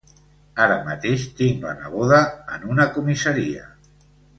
Ara mateix tinc la neboda en una comissaria.